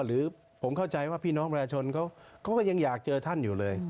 หรือผมเข้าใจว่าพี่น้องประชาชนเขาก็ยังอยากเจอท่านอยู่เลย